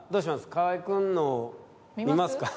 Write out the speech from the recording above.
河合君の見ますか？